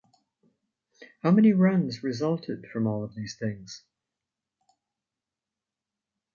How many runs resulted from all of these things?